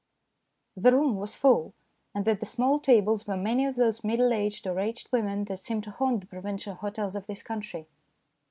The room was full, and at the small tables were many of those middle aged or aged women that seem to haunt the provincial hotels of this country.